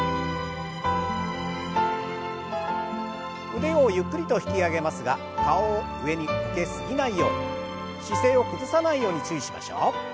腕をゆっくりと引き上げますが顔を上に向け過ぎないように姿勢を崩さないように注意しましょう。